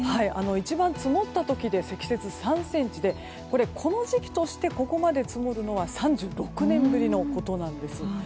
一番積もった時で積雪３ｃｍでこれはこの時期としてここまで積もるのは３６年ぶりのことなんです。